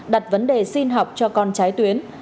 đặt vấn đề xin học cho con trái tuyến